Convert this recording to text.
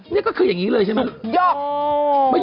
นี่ก็คืออย่างนี้เลยใช่ไหม